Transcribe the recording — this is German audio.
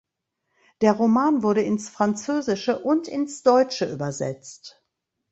Der Roman wurde ins Französische und ins Deutsche übersetzt.